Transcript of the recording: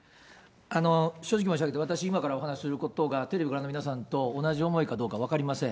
正直申し上げまして、私、今からお話することが、テレビご覧の皆さんと同じ思いかどうか分かりません。